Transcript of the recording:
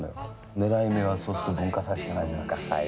ねらい目は、そうすると文化祭しかないじゃない。